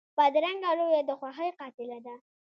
بدرنګه رویه د خوښۍ قاتله ده